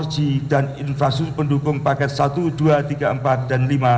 lima g dan infrastruktur pendukung paket satu dua tiga empat dan lima